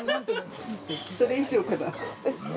それ以上かな。